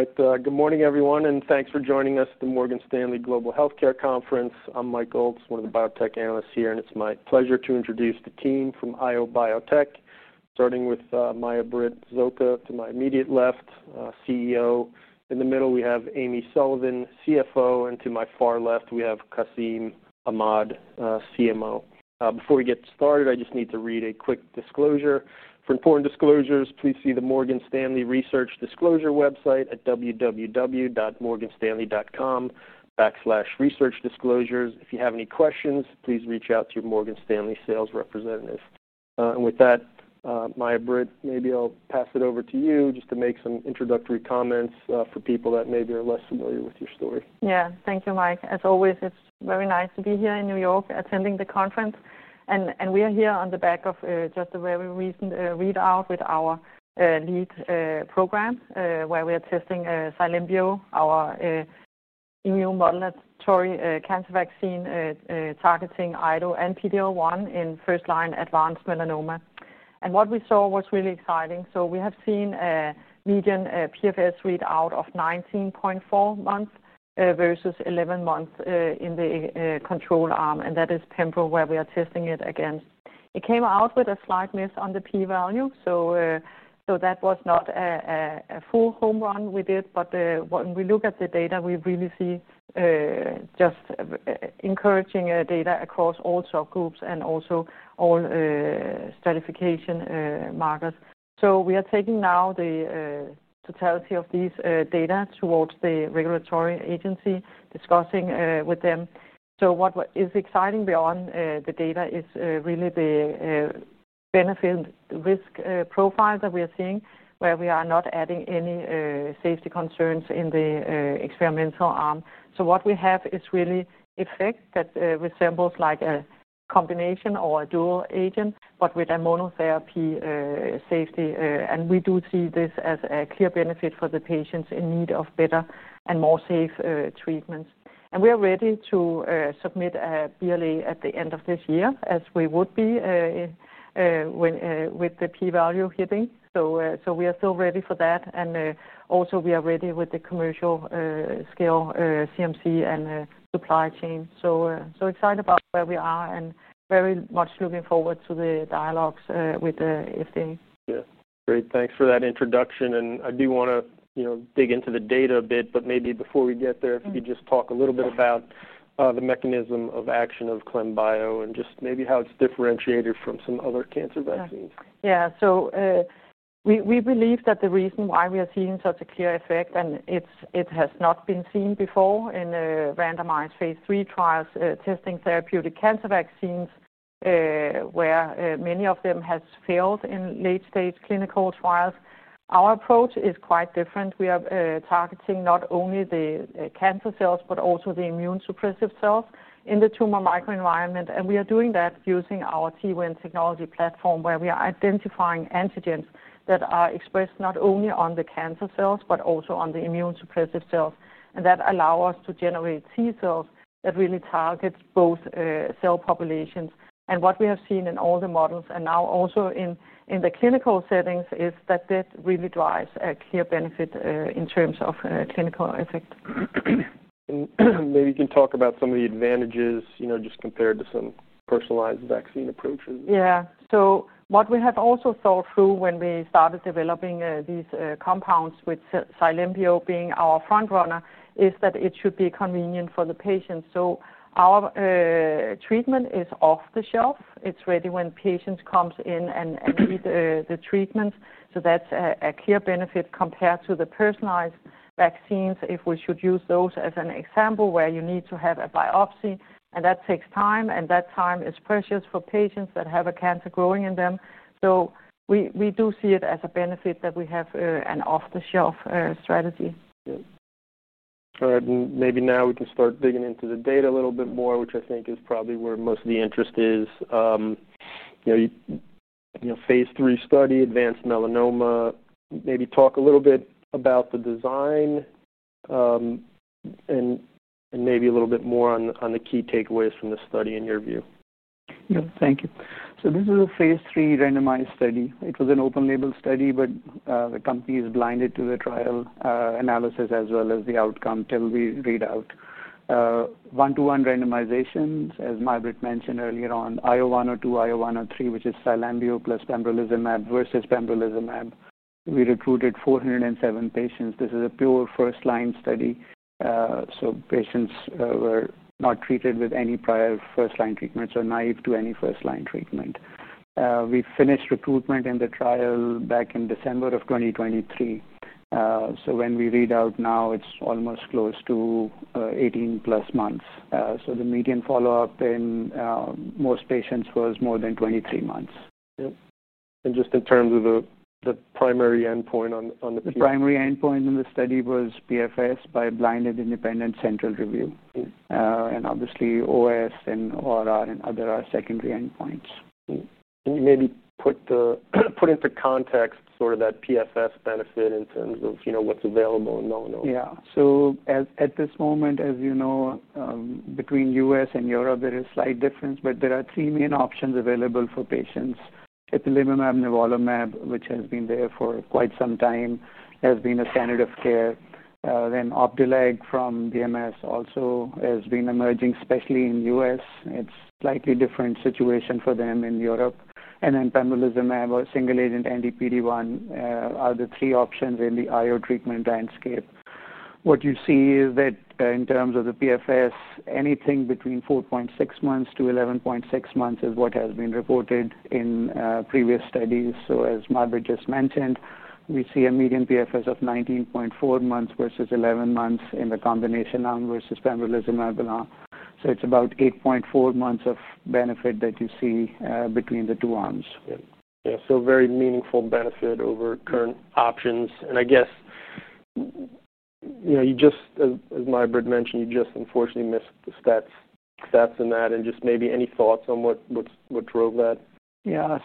All right. Good morning, everyone, and thanks for joining us at the Morgan Stanley Global Healthcare Conference. I'm Mike Golds, one of the biotech analysts here, and it's my pleasure to introduce the team from IO Biotech, starting with Mai-Britt Zocca to my immediate left, CEO. In the middle, we have Amy Sullivan, CFO, and to my far left, we have Qasim Ahmad, CMO. Before we get started, I just need to read a quick disclosure. For important disclosures, please see the Morgan Stanley Research Disclosure website at www.morganstanley.com/researchdisclosures. If you have any questions, please reach out to your Morgan Stanley sales representative. With that, Mai-Britt, maybe I'll pass it over to you just to make some introductory comments for people that maybe are less familiar with your story. Yeah. Thank you, Mike. As always, it's very nice to be here in New York attending the conference. We are here on the back of just a very recent readout with our lead program where we are testing IO102-IO103, our immune-modulatory cancer vaccine targeting IDO and PD-L1 in first-line advanced melanoma. What we saw was really exciting. We have seen a median PFS readout of 19.4 months versus 11 months in the control arm, and that is pembrolizumab where we are testing it again. It came out with a slight miss on the P-value. That was not a full home run we did. When we look at the data, we really see just encouraging data across all subgroups and also all stratification markers. We are taking now the totality of these data towards the regulatory agency, discussing with them. What is exciting beyond the data is really the risk-benefit profile that we are seeing where we are not adding any safety concerns in the experimental arm. What we have is really effect that resembles like a combination or a dual agent, but with a monotherapy safety. We do see this as a clear benefit for the patients in need of better and more safe treatments. We are ready to submit a BLA at the end of this year as we would be with the P-value hitting. We are still ready for that. We are also ready with the commercial scale CMC and supply chain. Excited about where we are and very much looking forward to the dialogues with the FDA. Yeah. Great. Thanks for that introduction. I do want to dig into the data a bit, but maybe before we get there, if you could just talk a little bit about the mechanism of action of Cylembio™ and just maybe how it's differentiated from some other cancer vaccines. Yeah. We believe that the reason why we are seeing such a clear effect, and it has not been seen before in randomized Phase III trials testing therapeutic cancer vaccines, where many of them have failed in late-stage clinical trials, our approach is quite different. We are targeting not only the cancer cells but also the immune suppressive cells in the tumor microenvironment. We are doing that using our T-win® platform where we are identifying antigens that are expressed not only on the cancer cells but also on the immune suppressive cells. That allows us to generate T cells that really target both cell populations. What we have seen in all the models and now also in the clinical settings is that that really drives a clear benefit in terms of clinical effect. Maybe you can talk about some of the advantages just compared to some personalized vaccine approaches. Yeah. What we have also thought through when we started developing these compounds, with Cylembio™ being our front runner, is that it should be convenient for the patient. Our treatment is off the shelf. It's ready when patients come in and need the treatment. That's a clear benefit compared to the personalized vaccines if we should use those as an example where you need to have a biopsy. That takes time, and that time is precious for patients that have a cancer growing in them. We do see it as a benefit that we have an off-the-shelf strategy. All right. Maybe now we can start digging into the data a little bit more, which I think is probably where most of the interest is. You know, Phase III study, advanced melanoma. Maybe talk a little bit about the design and maybe a little bit more on the key takeaways from the study in your view. Yeah. Thank you. This is a Phase III randomized study. It was an open-label study, but the company is blinded to the trial analysis as well as the outcome till we read out. One-to-one randomizations, as Mai-Britt mentioned earlier on, IO102-IO103 plus pembrolizumab versus pembrolizumab. We recruited 407 patients. This is a pure first-line study. Patients were not treated with any prior first-line treatment or were naive to any first-line treatment. We finished recruitment in the trial back in December of 2023. When we read out now, it's almost close to 18-plus months. The median follow-up in most patients was more than 23 months. Yeah, just in terms of the primary endpoint on the PFS. The primary endpoint in the study was PFS by a blinded independent central review. OS and ORR and other are secondary endpoints. Can you maybe put into context that PFS benefit in terms of, you know, what's available and not available? Yeah. At this moment, as you know, between the U.S. and Europe, there is a slight difference, but there are three main options available for patients. At the IMM, nivolumab, which has been there for quite some time, has been a standard of care. Then Opdivo from BMS also has been emerging, especially in the U.S. It's a slightly different situation for them in Europe. Then pembrolizumab or single-agent anti-PD-1 are the three options in the IO treatment landscape. What you see is that in terms of the PFS, anything between 4.6 months to 11.6 months is what has been reported in previous studies. As Mai-Britt just mentioned, we see a median PFS of 19.4 months versus 11 months in the combination arm versus pembrolizumab. It's about 8.4 months of benefit that you see between the two arms. Yeah. Very meaningful benefit over current options. I guess, as Mai-Britt mentioned, you just unfortunately missed stats in that. Maybe any thoughts on what drove that? Yeah.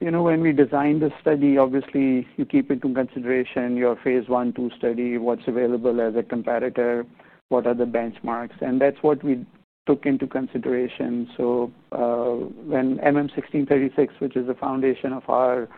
When we designed the study, obviously, you keep into consideration your Phase I, II study, what's available as a competitor, what are the benchmarks. That's what we took into consideration. When MM1636, which is the foundation of our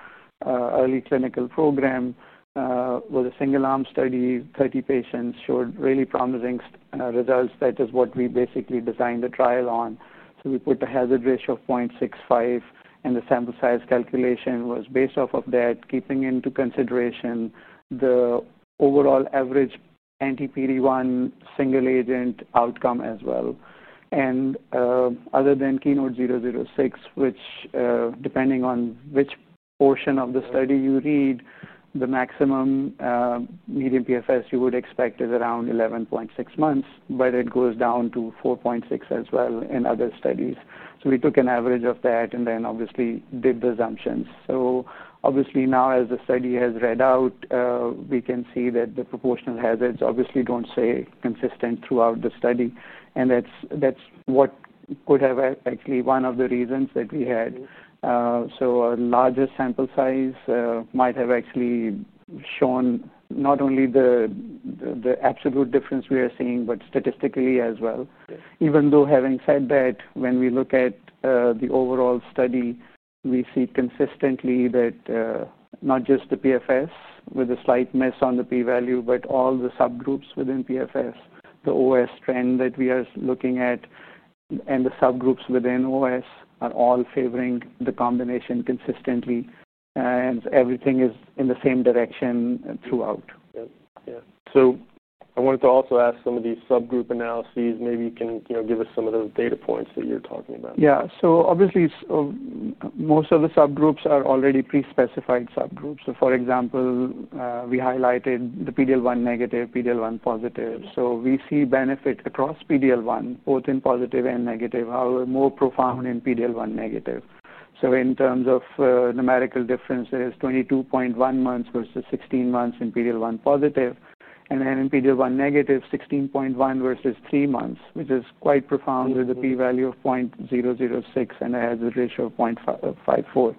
early clinical program, was a single-arm study, 30 patients showed really promising results. That is what we basically designed the trial on. We put a hazard ratio of 0.65, and the sample size calculation was based off of that, keeping into consideration the overall average anti-PD-1 single-agent outcome as well. Other than KEYNOTE-006, which depending on which portion of the study you read, the maximum median progression-free survival (PFS) you would expect is around 11.6 months, but it goes down to 4.6 as well in other studies. We took an average of that and then did the assumptions. Now as the study has read out, we can see that the proportional hazards don't stay consistent throughout the study. That could have actually been one of the reasons that we had. A larger sample size might have actually shown not only the absolute difference we are seeing but statistically as well. Even though having said that, when we look at the overall study, we see consistently that not just the PFS with a slight miss on the P-value but all the subgroups within PFS, the OS trend that we are looking at, and the subgroups within OS are all favoring the combination consistently. Everything is in the same direction throughout. Yeah. I wanted to also ask some of these subgroup analyses. Maybe you can give us some of those data points that you're talking about. Yeah. Obviously, most of the subgroups are already pre-specified subgroups. For example, we highlighted the PD-L1 negative, PD-L1 positive. We see benefit across PD-L1, both in positive and negative, however more profound in PD-L1 negative. In terms of numerical differences, 22.1 months versus 16 months in PD-L1 positive. In PD-L1 negative, 16.1 versus 3 months, which is quite profound with a P-value of 0.006 and a hazard ratio of 0.54.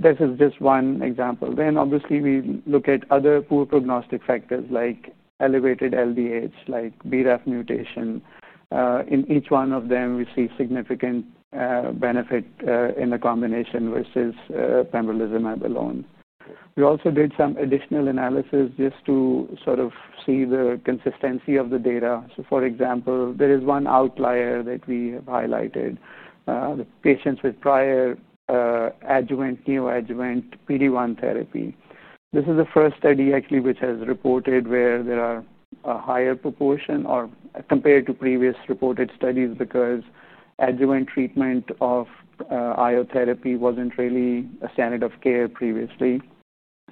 This is just one example. We look at other poor prognostic factors like elevated LDH, like BRAF mutation. In each one of them, we see significant benefit in the combination versus pembrolizumab alone. We also did some additional analysis just to sort of see the consistency of the data. For example, there is one outlier that we have highlighted, the patients with prior adjuvant/neoadjuvant PD-L1 therapy. This is the first study, actually, which has reported where there are a higher proportion or compared to previous reported studies because adjuvant treatment of IO therapy wasn't really a standard of care previously.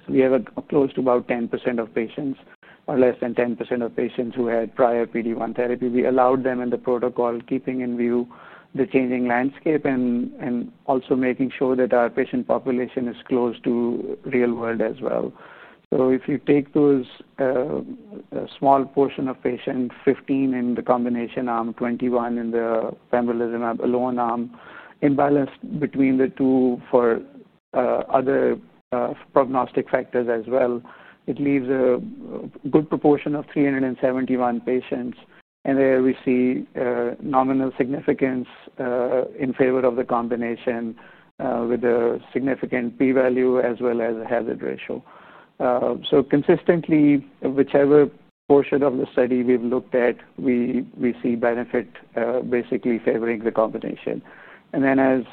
We have close to about 10% of patients or less than 10% of patients who had prior PD-L1 therapy. We allowed them in the protocol, keeping in view the changing landscape and also making sure that our patient population is close to real-world as well. If you take those small portion of patients, 15 in the combination arm, 21 in the pembrolizumab alone arm, imbalance between the two for other prognostic factors as well, it leaves a good proportion of 371 patients. There we see nominal significance in favor of the combination with a significant P-value as well as a hazard ratio. Consistently, whichever portion of the study we've looked at, we see benefit basically favoring the combination. As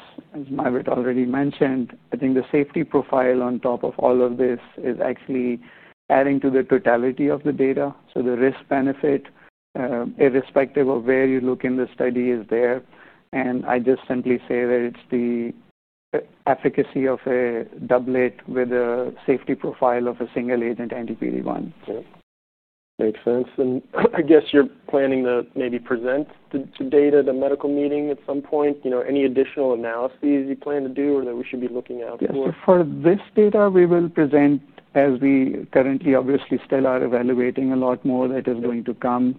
Mai-Britt Zocca already mentioned, I think the safety profile on top of all of this is actually adding to the totality of the data. The risk-benefit, irrespective of where you look in the study, is there. I just simply say that it's the efficacy of a doublet with a safety profile of a single-agent NDPD1. Makes sense. I guess you're planning to maybe present the data at a medical meeting at some point. You know, any additional analyses you plan to do or that we should be looking out for? For this data, we will present as we currently obviously still are evaluating a lot more that is going to come.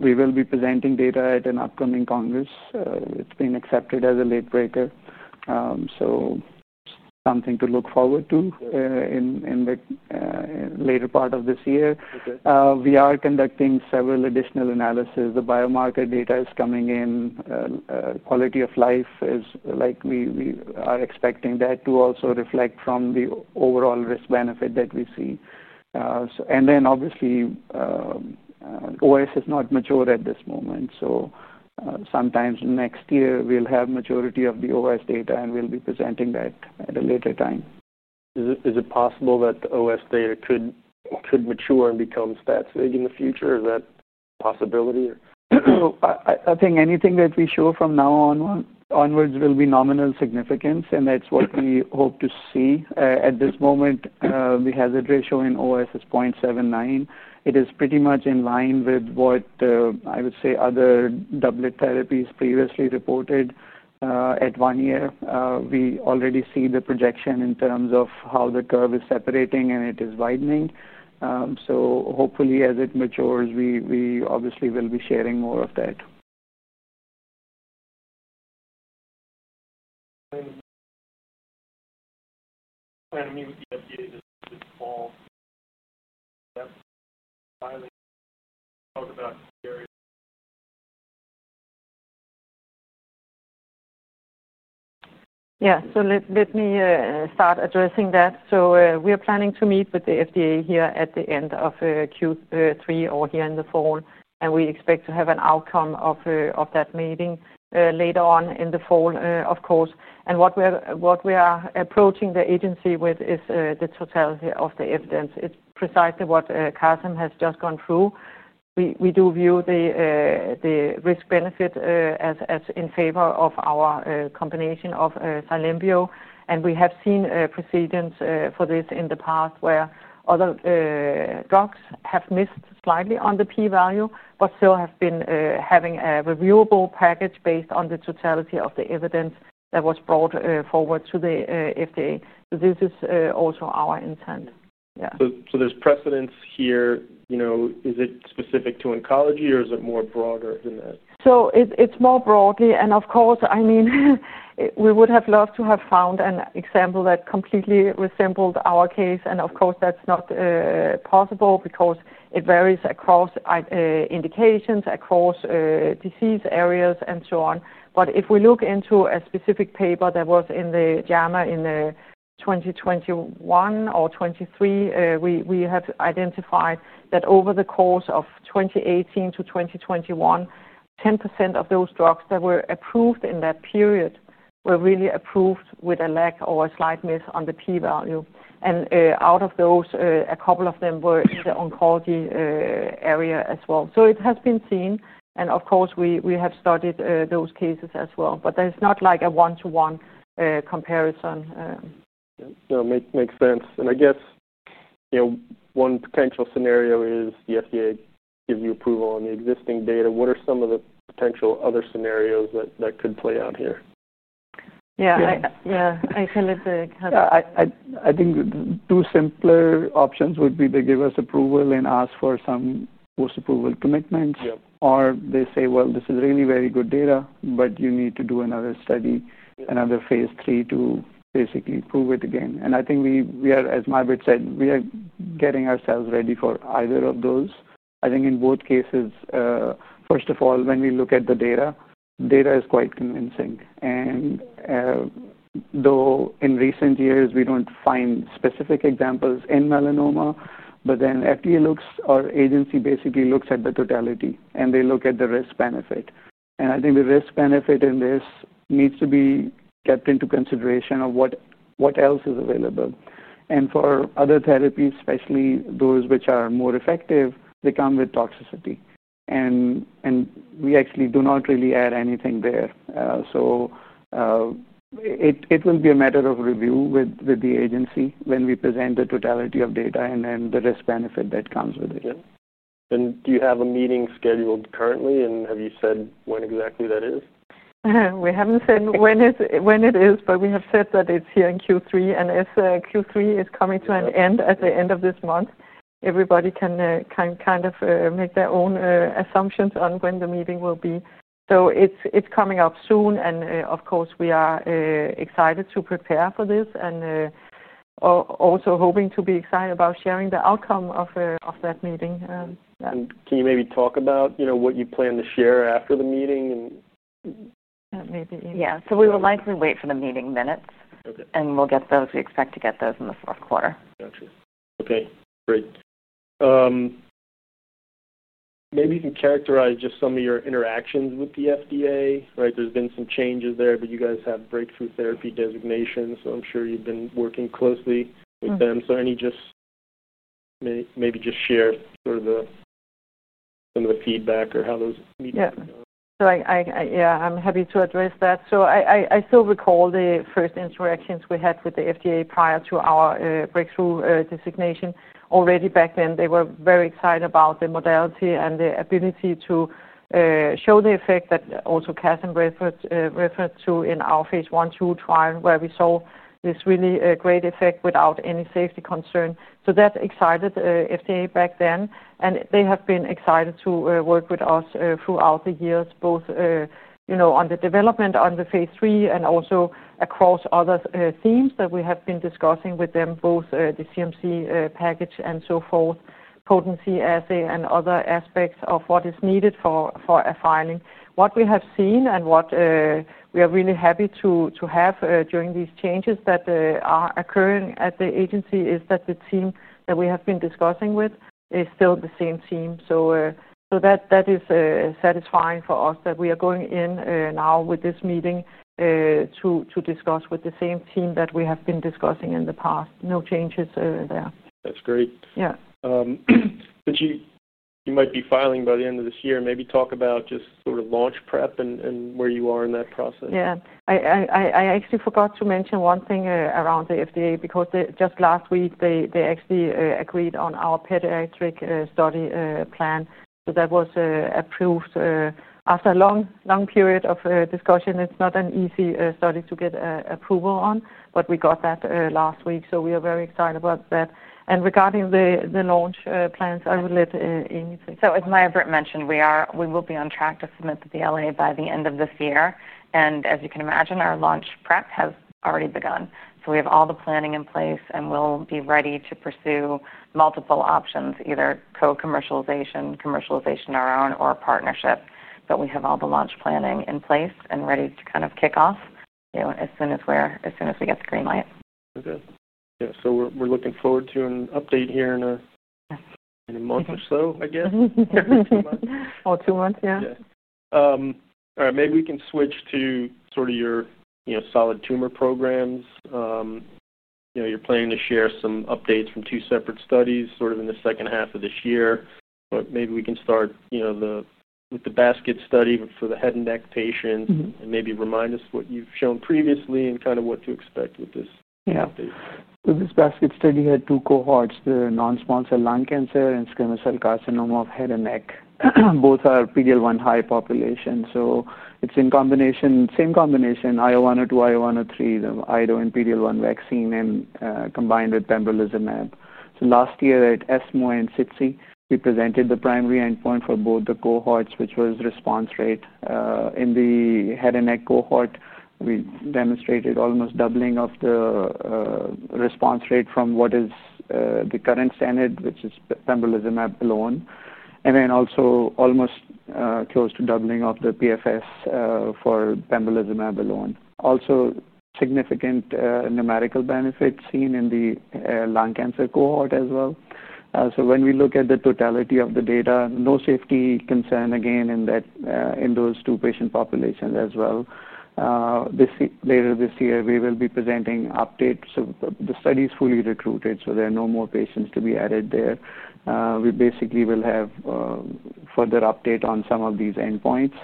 We will be presenting data at an upcoming congress. It's been accepted as a late breaker, something to look forward to in the later part of this year. We are conducting several additional analyses. The biomarker data is coming in. Quality of life is like we are expecting that to also reflect from the overall risk-benefit that we see. Obviously, OS is not mature at this moment. Sometimes next year, we'll have maturity of the OS data, and we'll be presenting that at a later time. Is it possible that the OS data could mature and become statistically significant in the future? Is that a possibility? I think anything that we show from now onwards will be nominal significance, and that's what we hope to see. At this moment, the hazard ratio in OS is 0.79. It is pretty much in line with what I would say other doublet therapies previously reported at one year. We already see the projection in terms of how the curve is separating, and it is widening. Hopefully, as it matures, we obviously will be sharing more of that. Let me start addressing that. We are planning to meet with the FDA here at the end of Q3 or here in the fall. We expect to have an outcome of that meeting later on in the fall, of course. What we are approaching the agency with is the totality of the evidence. It's precisely what Qasim has just gone through. We do view the risk-benefit as in favor of our combination of IO Biotech. We have seen precedence for this in the past where other drugs have missed slightly on the P-value but still have been having a reviewable package based on the totality of the evidence that was brought forward to the FDA. This is also our intent. There's precedence here. You know, is it specific to oncology, or is it more broader than that? It is more broadly. Of course, we would have loved to have found an example that completely resembled our case. Of course, that's not possible because it varies across indications, across disease areas, and so on. If we look into a specific paper that was in JAMA in 2021 or 2023, we have identified that over the course of 2018 to 2021, 10% of those drugs that were approved in that period were really approved with a lack or a slight miss on the P-value. Out of those, a couple of them were in the oncology area as well. It has been seen. Of course, we have studied those cases as well. There's not like a one-to-one comparison. Yeah. No, it makes sense. I guess, you know, one potential scenario is the FDA gives you approval on the existing data. What are some of the potential other scenarios that could play out here? Yeah. Yeah. I think two simpler options would be they give us approval and ask for some post-approval commitments, or they say, "This is really very good data, but you need to do another study, another Phase III to basically prove it again." I think we are, as Mai-Britt said, getting ourselves ready for either of those. I think in both cases, first of all, when we look at the data, data is quite convincing. Though in recent years, we don't find specific examples in melanoma, the FDA or agency basically looks at the totality, and they look at the risk-benefit. I think the risk-benefit in this needs to be kept into consideration of what else is available. For other therapies, especially those which are more effective, they come with toxicity. We actually do not really add anything there. It will be a matter of review with the agency when we present the totality of data and then the risk-benefit that comes with it. Do you have a meeting scheduled currently? Have you said when exactly that is? We haven't said when it is, but we have said that it's here in Q3. As Q3 is coming to an end at the end of this month, everybody can kind of make their own assumptions on when the meeting will be. It's coming up soon. Of course, we are excited to prepare for this and also hoping to be excited about sharing the outcome of that meeting. Can you maybe talk about what you plan to share after the meeting? Yeah, we will likely wait for the meeting minutes, and we'll get those. We expect to get those in the fourth quarter. Gotcha. Okay. Great. Maybe you can characterize just some of your interactions with the FDA, right? There's been some changes there, but you guys have breakthrough therapy designations. I'm sure you've been working closely with them. Maybe just share sort of some of the feedback or how those meetings? Yeah, I'm happy to address that. I still recall the first interactions we had with the FDA prior to our breakthrough designation. Already back then, they were very excited about the modality and the ability to show the effect that also Qasim referred to in our Phase I, II trial where we saw this really great effect without any safety concern. That excited the FDA back then. They have been excited to work with us throughout the years, both on the development on the Phase III and also across other themes that we have been discussing with them, both the CMC package and so forth, potency assay and other aspects of what is needed for a filing. What we have seen and what we are really happy to have during these changes that are occurring at the agency is that the team that we have been discussing with is still the same team. That is satisfying for us that we are going in now with this meeting to discuss with the same team that we have been discussing in the past. No changes there. That's great. You might be filing by the end of this year. Maybe talk about just sort of launch prep and where you are in that process. I actually forgot to mention one thing around the FDA because just last week, they actually agreed on our pediatric study plan. That was approved after a long, long period of discussion. It's not an easy study to get approval on, but we got that last week. We are very excited about that. Regarding the launch plans, I will let Amy take that. As Mai-Britt Zocca mentioned, we will be on track to submit the BLA by the end of this year. As you can imagine, our launch prep has already begun. We have all the planning in place, and we'll be ready to pursue multiple options, either co-commercialization, commercialization of our own, or partnership. We have all the launch planning in place and ready to kind of kick off as soon as we get the green light. Okay. Yeah, we're looking forward to an update here in a month or so, I guess. Two months, yeah. All right. Maybe we can switch to sort of your solid tumor programs. You're planning to share some updates from two separate studies in the second half of this year. Maybe we can start with the basket study for the head and neck patients and remind us what you've shown previously and what to expect with this update. Yeah. This basket study had two cohorts. They're non-small cell lung cancer and squamous cell carcinoma of head and neck. Both are PD-L1 high population. It's in combination, same combination, IO102-IO103, the IDO and PD-L1 vaccine, and combined with pembrolizumab. Last year at ESMO and SITSI, we presented the primary endpoint for both the cohorts, which was response rate. In the head and neck cohort, we demonstrated almost doubling of the response rate from what is the current standard, which is pembrolizumab alone. Also, almost close to doubling of the PFS for pembrolizumab alone. Significant numerical benefit was seen in the lung cancer cohort as well. When we look at the totality of the data, no safety concern again in those two patient populations as well. Later this year, we will be presenting updates. The study is fully recruited, so there are no more patients to be added there. We basically will have further update on some of these endpoints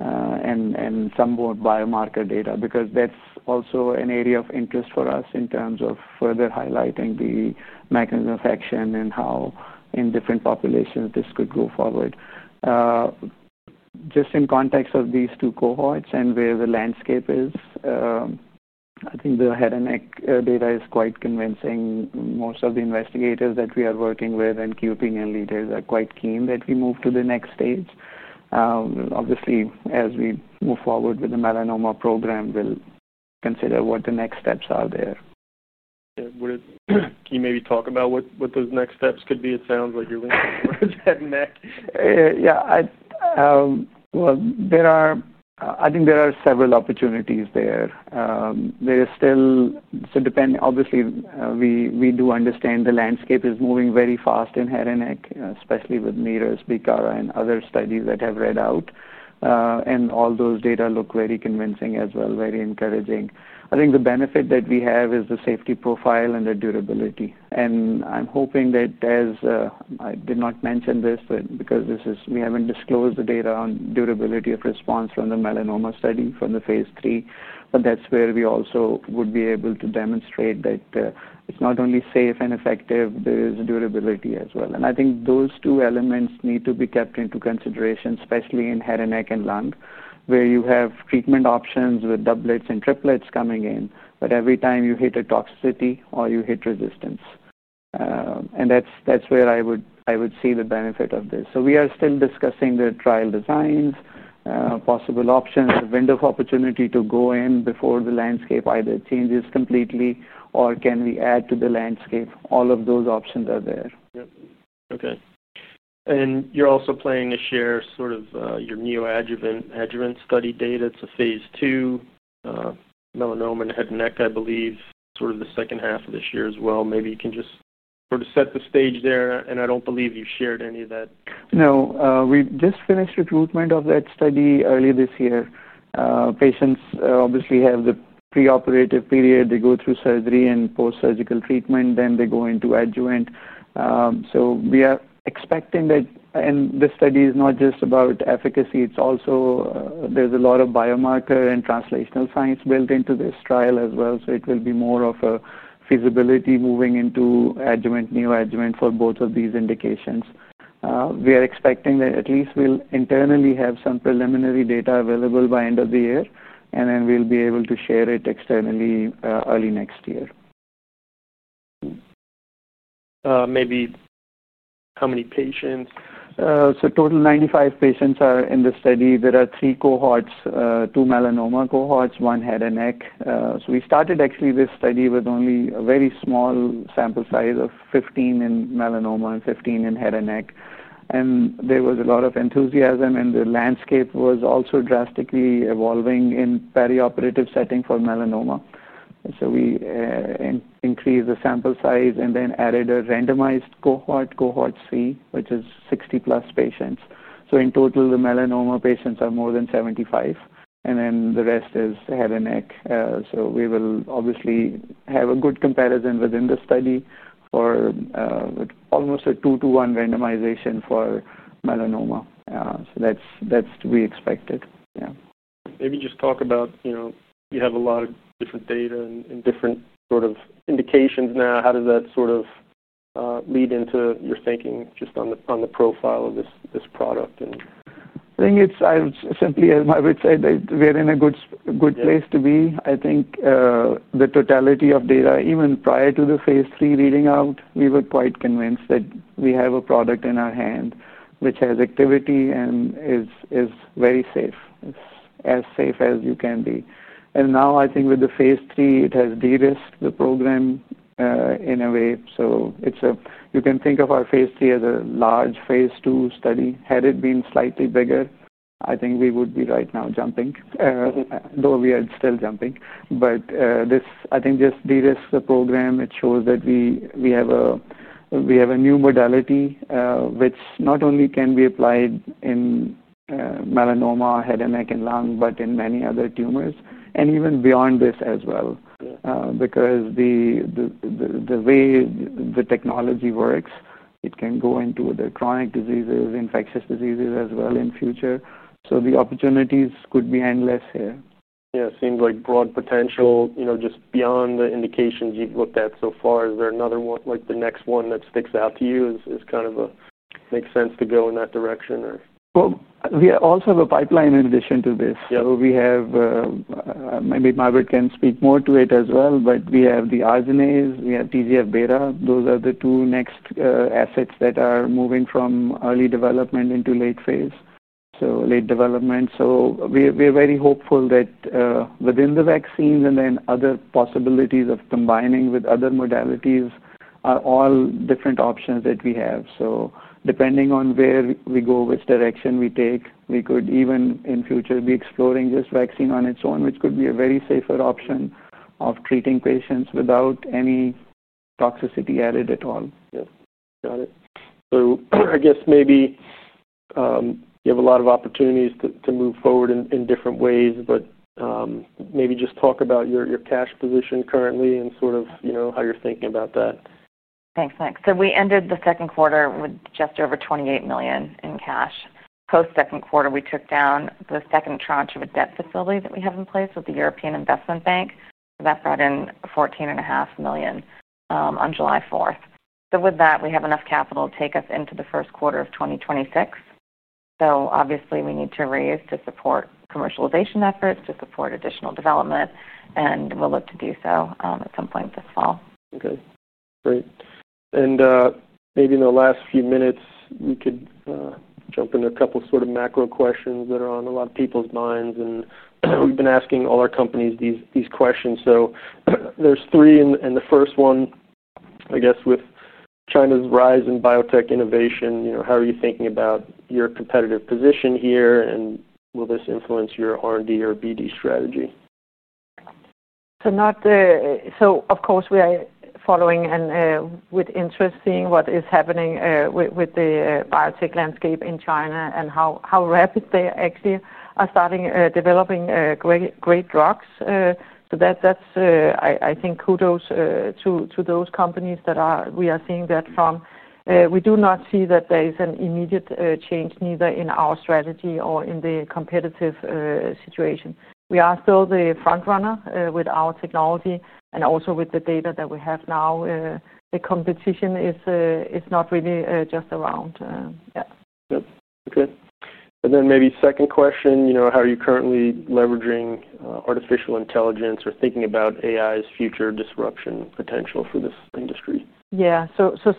and some more biomarker data because that's also an area of interest for us in terms of further highlighting the mechanism of action and how in different populations this could go forward. Just in context of these two cohorts and where the landscape is, I think the head and neck data is quite convincing. Most of the investigators that we are working with and KOL leaders are quite keen that we move to the next stage. Obviously, as we move forward with the melanoma program, we'll consider what the next steps are there. Yeah. Can you maybe talk about what those next steps could be? It sounds like you're leaning towards head and neck. There are, I think there are several opportunities there. There is still, so obviously, we do understand the landscape is moving very fast in head and neck, especially with MIRAS, BICARA, and other studies that have read out. All those data look very convincing as well, very encouraging. I think the benefit that we have is the safety profile and the durability. I'm hoping that, as I did not mention this, but because we haven't disclosed the data on durability of response from the melanoma study from the Phase III, that's where we also would be able to demonstrate that it's not only safe and effective, there is durability as well. I think those two elements need to be kept into consideration, especially in head and neck and lung, where you have treatment options with doublets and triplets coming in, but every time you hit a toxicity or you hit resistance. That's where I would see the benefit of this. We are still discussing the trial designs, possible options, the window of opportunity to go in before the landscape either changes completely or can we add to the landscape. All of those options are there. Okay. You're also planning to share your neoadjuvant adjuvant study data. It's a Phase II melanoma in head and neck, I believe, the second half of this year as well. Maybe you can just set the stage there. I don't believe you've shared any of that. No. We just finished recruitment of that study earlier this year. Patients obviously have the preoperative period. They go through surgery and post-surgical treatment, then they go into adjuvant. We are expecting that, and this study is not just about efficacy. There is also a lot of biomarker and translational science built into this trial as well. It will be more of a feasibility moving into adjuvant, neoadjuvant for both of these indications. We are expecting that at least we'll internally have some preliminary data available by the end of the year, and we'll be able to share it externally early next year. Maybe how many patients? A total of 95 patients are in the study. There are three cohorts, two melanoma cohorts and one head and neck. We started this study with only a very small sample size of 15 in melanoma and 15 in head and neck. There was a lot of enthusiasm, and the landscape was also drastically evolving in the perioperative setting for melanoma. We increased the sample size and then added a randomized cohort, cohort C, which is 60-plus patients. In total, the melanoma patients are more than 75, and the rest is head and neck. We will obviously have a good comparison within the study for almost a two-to-one randomization for melanoma. That's what we expected. Yeah. Maybe just talk about, you know, you have a lot of different data and different sort of indications now. How does that sort of lead into your thinking just on the profile of this product? I think it's, I would simply, as Mai-Britt Zocca said, that we're in a good place to be. I think the totality of data, even prior to the Phase III reading out, we were quite convinced that we have a product in our hand which has activity and is very safe, as safe as you can be. Now I think with the Phase III, it has de-risked the program in a way. You can think of our Phase III as a large Phase II study. Had it been slightly bigger, I think we would be right now jumping, though we are still jumping. This just de-risked the program. It shows that we have a new modality which not only can be applied in melanoma, head and neck, and lung, but in many other tumors and even beyond this as well. The way the technology works, it can go into other chronic diseases, infectious diseases as well in the future. The opportunities could be endless here. It seems like broad potential, you know, just beyond the indications you've looked at so far. Is there another one, like the next one that sticks out to you? Is kind of a makes sense to go in that direction, or? We also have a pipeline in addition to this. Maybe Mai-Britt can speak more to it as well, but we have the arsenates. We have TGF-beta. Those are the two next assets that are moving from early development into late phase, so late development. We are very hopeful that within the vaccines and then other possibilities of combining with other modalities are all different options that we have. Depending on where we go, which direction we take, we could even in the future be exploring just vaccine on its own, which could be a very safer option of treating patients without any toxicity added at all. Got it. I guess maybe you have a lot of opportunities to move forward in different ways, but maybe just talk about your cash position currently and how you're thinking about that. Thanks, Mike. We ended the second quarter with just over $28 million in cash. Post-second quarter, we took down the second tranche of a debt facility that we have in place with the European Investment Bank. That brought in $14.5 million on July 4th. With that, we have enough capital to take us into the first quarter of 2026. Obviously, we need to raise to support commercialization efforts, to support additional development. We'll look to do so at some point this fall. Okay. Great. In the last few minutes, we could jump into a couple of sort of macro questions that are on a lot of people's minds. We've been asking all our companies these questions. There are three. The first one, I guess, with China's rise in biotech innovation, you know, how are you thinking about your competitive position here? Will this influence your R&D or BD strategy? Of course, we are following with interest seeing what is happening with the biotech landscape in China and how rapid they actually are starting developing great drugs. I think kudos to those companies that we are seeing that from. We do not see that there is an immediate change neither in our strategy or in the competitive situation. We are still the frontrunner with our technology and also with the data that we have now. The competition is not really just around. Yeah. Okay. Maybe second question, you know, how are you currently leveraging artificial intelligence or thinking about AI's future disruption potential for this industry? Yeah.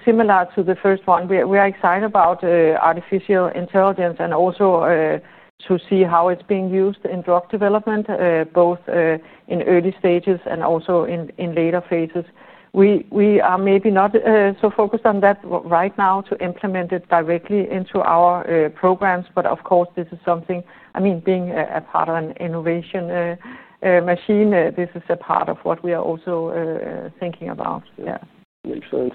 Similar to the first one, we are excited about artificial intelligence and also to see how it's being used in drug development, both in early stages and also in later phases. We are maybe not so focused on that right now to implement it directly into our programs. Of course, this is something, being a part of an innovation machine, this is a part of what we are also thinking about. Yeah. Makes sense.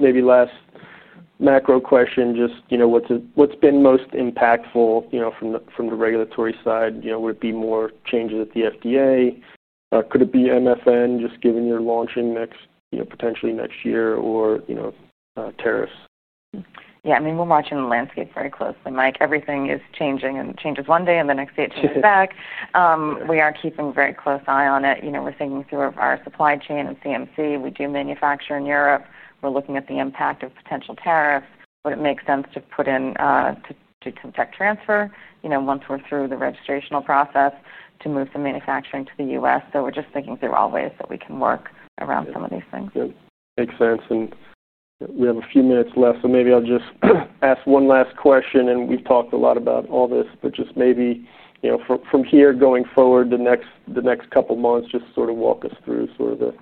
Maybe last macro question, what's been most impactful from the regulatory side? Would it be more changes at the FDA? Could it be MFN, just given you're launching potentially next year, or tariffs? Yeah. I mean, we're watching the landscape very closely, Mike. Everything is changing and changes one day and the next day it's just back. We are keeping a very close eye on it. We're thinking through our supply chain and CMC. We do manufacture in Europe. We're looking at the impact of potential tariffs. Would it make sense to put in to do some tech transfer? Once we're through the registrational process to move some manufacturing to the U.S. We're just thinking through all ways that we can work around some of these things. Makes sense. We have a few minutes left. Maybe I'll just ask one last question. We've talked a lot about all this, but just maybe, you know, from here going forward to the next couple of months, just sort of walk us through sort of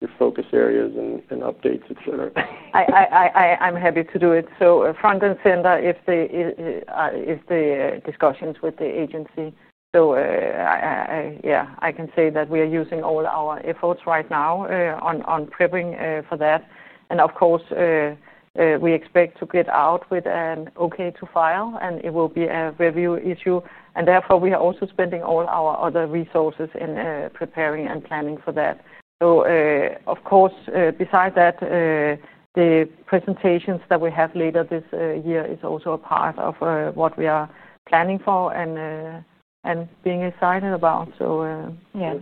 your focus areas and updates, etc. I'm happy to do it. Front and center is the discussions with the agency. I can say that we are using all our efforts right now on prepping for that. Of course, we expect to get out with an okay to file, and it will be a review issue. Therefore, we are also spending all our other resources in preparing and planning for that. Besides that, the presentations that we have later this year is also a part of what we are planning for and being excited about. Yeah.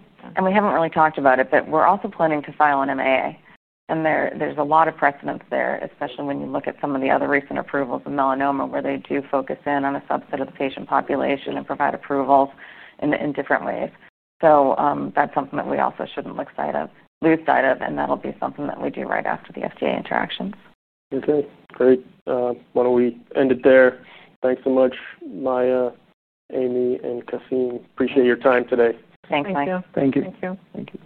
We haven't really talked about it, but we're also planning to file an MAA. There's a lot of precedence there, especially when you look at some of the other recent approvals of melanoma, where they do focus in on a subset of the patient population and provide approvals in different ways. That is something that we also shouldn't lose sight of, and that'll be something that we do right after the FDA interactions. Okay. Great. Why don't we end it there? Thanks so much, Mai-Britt, Amy, and Qasim. Appreciate your time today. Thanks, Mike. Thank you. Thank you. Thank you.